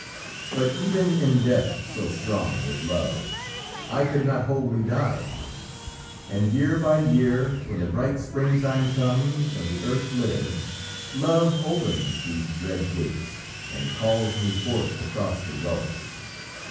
"But even in death, so strong is love, I could not wholly die; and year by year, When the bright springtime comes, and the earth lives, Love opens these dread gates, and calls me forth Across the gulf.